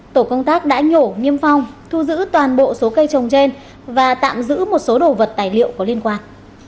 tổ công tác đã nhổ niêm phong thu giữ toàn bộ số cây trồng trên và tạm giữ một số đồ vật tài liệu có liên quan